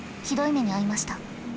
ひどい目に遭いました。